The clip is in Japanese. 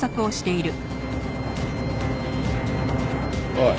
おい。